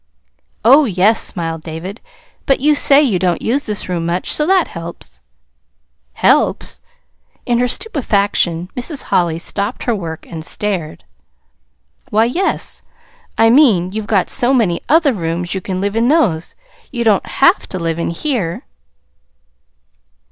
"Oh, yes," smiled David. "But you say you don't use this room much, so that helps." "Helps!" In her stupefaction Mrs. Holly stopped her work and stared. "Why, yes. I mean, you've got so many other rooms you can live in those. You don't HAVE to live in here."